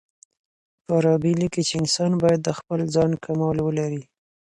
فارابي ليکي چي انسان بايد د خپل ځان کمال ولري.